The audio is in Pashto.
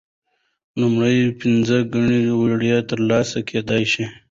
لومړۍ پنځه ګڼې وړیا ترلاسه کیدی شي.